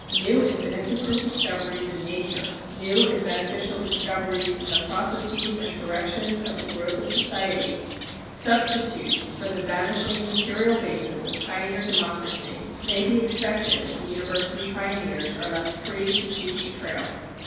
New and beneficent discoveries in nature, new and beneficial discoveries in the processes and directions of the growth of society, substitutes for the vanishing material basis of pioneer democracy may be expected if the university pioneers are left free to seek the trail.